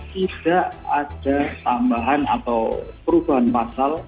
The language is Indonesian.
tidak ada tambahan atau perubahan pasal